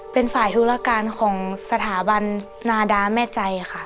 เป็นฝ่ายธุรการของสถาบันนาดาแม่ใจค่ะ